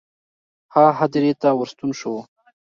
هغه هدیرې ته ورستون شو.